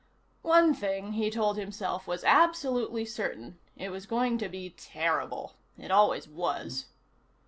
One thing, he told himself, was absolutely certain: it was going to be terrible. It always was.